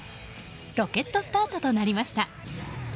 ロケットスタートとなりました。